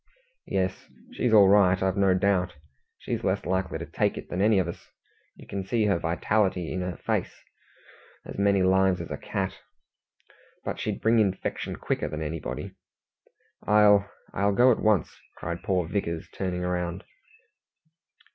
"Yes, she's all right, I've no doubt. She's less likely to take it than any of us. You can see her vitality in her face as many lives as a cat. But she'd bring infection quicker than anybody." "I'll I'll go at once," cried poor Vickers, turning round.